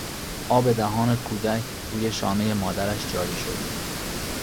آبدهان کودک روی شانهی مادرش جاری شد.